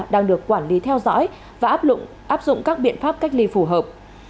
đang được quản lý theo dõi và áp dụng các biện pháp cách ly phù hợp